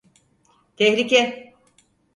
Tehlike!